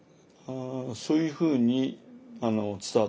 そういうふうに伝わってました。